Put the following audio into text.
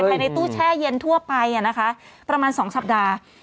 ภายในตู้แช่เย็นทั่วไปนะคะประมาณ๒สัปดาห์